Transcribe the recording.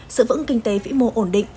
sự vững kinh tế vĩ mô ổn định